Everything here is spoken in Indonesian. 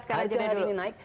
harga hari ini naik